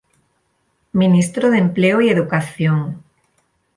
Ministro de Empleo y Educación.